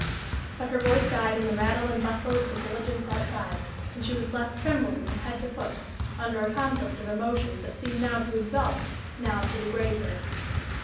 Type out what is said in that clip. But her voice died in the rattle and bustle of the diligence outside, and she was left trembling from head to foot, under a conflict of emotions that seemed now to exalt, now to degrade her.